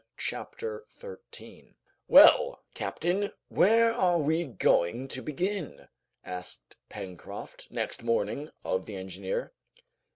Chapter 13 "Well, captain, where are we going to begin?" asked Pencroft next morning of the engineer.